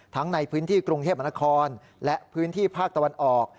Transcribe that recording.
ในพื้นที่กรุงเทพมนครและพื้นที่ภาคตะวันออก